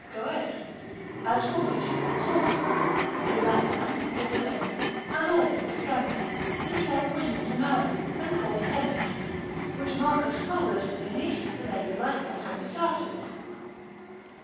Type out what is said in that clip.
Goes) as for witches and sorcerers, in Lapland, Lithuania, and all over Scandia, to sell winds to mariners, and cause tempests, which Marcus Paulus the Venetian relates likewise of the Tartars.